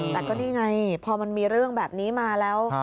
แต่ก็นี่ไงพอมันมีเรื่องแบบนี้มาแล้ว